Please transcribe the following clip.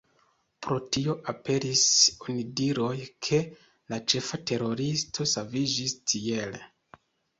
Pro tio aperis onidiroj, ke la ĉefa teroristo saviĝis tiele.